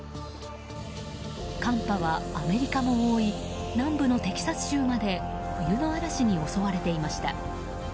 寒波はアメリカも覆い南部のテキサス州まで冬の嵐に襲われていました。